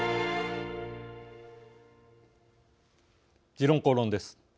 「時論公論」です。